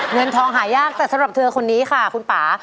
เงินทองหายากแต่สำหรับเธอคนนี้ค่ะคุณป่า